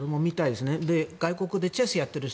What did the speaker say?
で、外国でチェスをやっている人